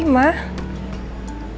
ini mah punya jessy mah